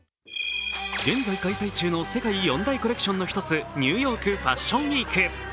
現在開催中の世界４大コレクションの１つニューヨーク・ファッションウィーク。